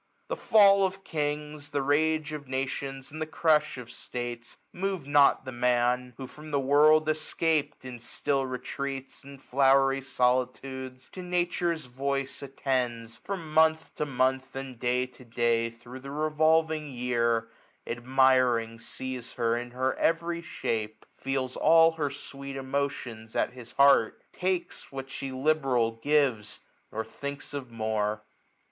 The fall of kings^ The rage of lutions, and the crush of states, 1391 Move not the Man, who, from the world escap'd, I9 vStUl retreats, and flowery sqlitudes, z 1299 ^^95 1^ A D T U M l^. To Nature's voice attends, from month to month. And day to day, thro* the revolving year j i J05 Admiring, sees her in her every shape ; Fetls all her sweet emotions at his heart ; Takes what she liberal gives, nor thinks of more.